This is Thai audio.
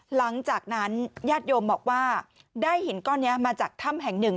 หลังจากนั้นญาติโยมบอกว่าได้หินก้อนนี้มาจากถ้ำแห่งหนึ่ง